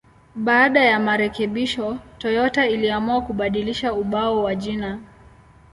Baada ya marekebisho, Toyota iliamua kubadilisha ubao wa jina.